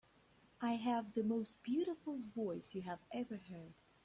I have the most beautiful voice you have ever heard.